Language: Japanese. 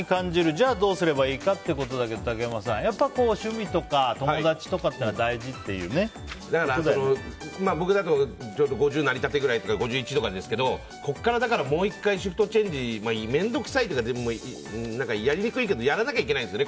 じゃあどうすればいいかってことだけど竹山さん、趣味とか友達とかっていうのはだから、僕だとちょうど５０になりたてというか５１とかですけどここからもう１回シフトチェンジ面倒くさいけど、やりにくいけどやらなきゃいけないんです。